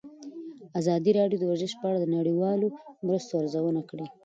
ازادي راډیو د ورزش په اړه د نړیوالو مرستو ارزونه کړې.